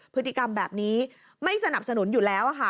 พฤติกรรมแบบนี้ไม่สนับสนุนอยู่แล้วค่ะ